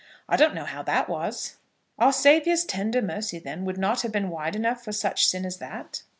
I don't know how that was." "Our Saviour's tender mercy, then, would not have been wide enough for such sin as that."